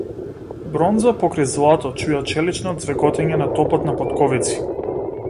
Бронза покрај злато чуја челично ѕвекотење на топот на потковици.